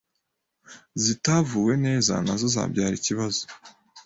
zitavuwe neza nazo zabyara ikibazo